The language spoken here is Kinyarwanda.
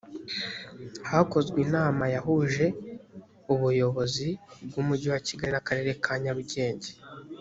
hakozwe inama yahuje ubuyobozi bw’umujyi wa kigali n’akarere ka nyarugenge